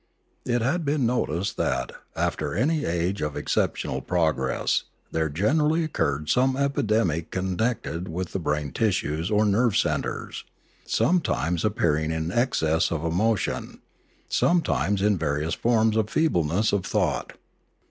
It had been noticed that, after any age of exceptional progress, there generally oc curred some epidemic connected with the brain tissues or nerve centres, sometimes appearing in excess of emo tion, sometimes in various forms of feebleness of thought.